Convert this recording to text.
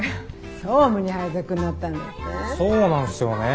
そうなんすよね。